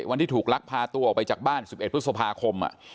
วันที่ถูกลักษณ์พาตัวออกไปจากบ้านสิบเอ็ดพฤษภาคมอ่ะ